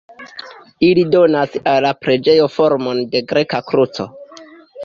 Ili donas al la preĝejo formon de greka kruco.